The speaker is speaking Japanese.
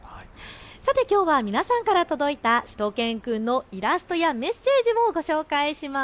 さてきょうは皆さんから届いたしゅと犬くんのイラストやメッセージをご紹介します。